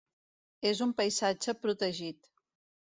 És un paisatge protegit.